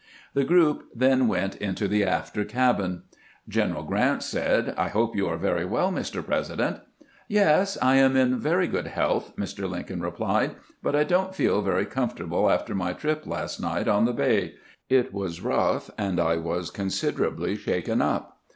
The group then went into the after cabin. General Grant said :" I hope you are very well, Mr. President." " Yes, I am in very good health," Mr. Lincoln replied ;" but I don't feel very comfortable after my trip last night on the bay. It was rough, and I was considerably shaken up.